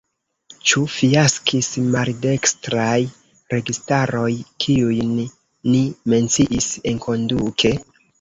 Ĉu fiaskis maldekstraj registaroj, kiujn ni menciis enkonduke?